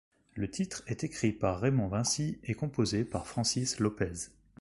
Le titre est écrit par Raymond Vincy et composé par Francis Lopez.